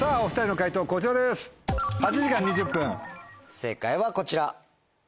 正解はこちら。